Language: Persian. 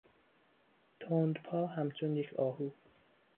تندپا همچون یک آهو